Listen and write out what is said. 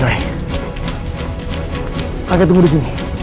kau jangan tunggu disini